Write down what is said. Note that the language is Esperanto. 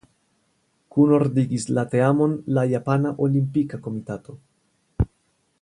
Kunordigis la teamon la Japana Olimpika Komitato.